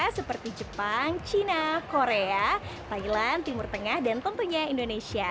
seperti jepang china korea thailand timur tengah dan tentunya indonesia